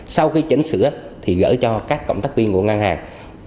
sau khi chỉnh sửa thì gửi cho các cộng tác viên của ngân hàng